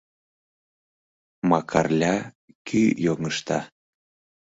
Макарля кӱ йоҥышта.